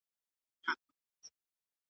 کله به بیرته کلي ته راسي .